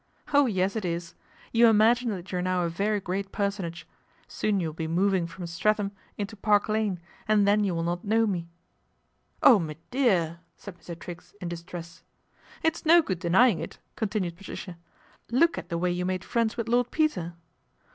" Oh, yes it is ! You imagine that you are now very great personage. Soon you will be moving :om Streatham into Park Lane, and then you will ot know me." Oh, me dear !" said Mr. Triggs in distress. It's no good denying it," continued Patricia. Look at the way you made friends with Lord eter."